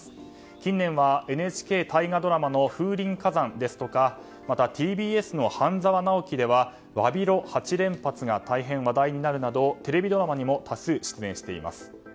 近年はＮＨＫ大河ドラマの「風林火山」ですとかＴＢＳの「半沢直樹」では詫びろ８連発が大変話題になるなどテレビドラマにも多数、出演しています。